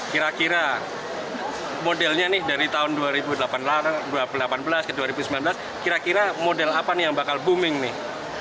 kira kira modelnya nih dari tahun dua ribu delapan belas ke dua ribu sembilan belas kira kira model apa nih yang bakal booming nih